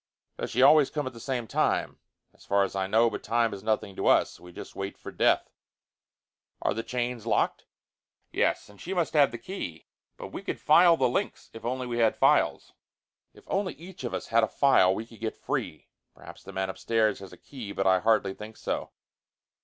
"Does she always come at the same time?" "As far as I know. But time is nothing to us. We just wait for death." "Are the chains locked?" "Yes. And she must have the key. But we could file the links if only we had files. If only each of us had a file, we could get free. Perhaps the man upstairs has a key, but I hardly think so."